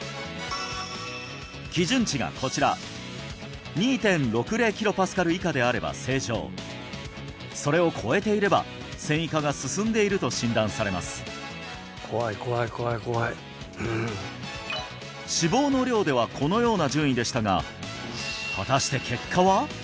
基準値がこちら２．６０ｋＰａ以下であれば正常それを超えていれば線維化が進んでいると診断されます怖い怖い怖い怖い脂肪の量ではこのような順位でしたが果たして結果は？